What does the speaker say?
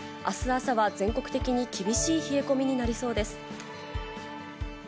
あす朝は全国的に厳しい冷え込みになりそうです。